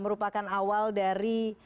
merupakan awal dari